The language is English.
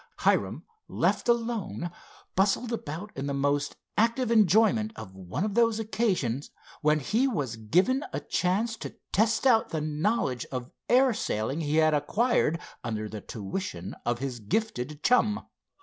Hiram, left alone, bustled about in the most active enjoyment of one of those occasions when he was given a chance to test out the knowledge of air sailing he had acquired under the tuition of his gifted chum.